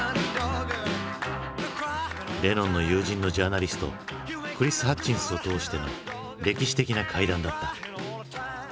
レノンの友人のジャーナリストクリス・ハッチンスを通しての歴史的な会談だった。